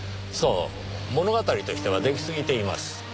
そう物語としては出来すぎています。